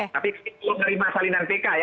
tapi itu dari masa lindang pk ya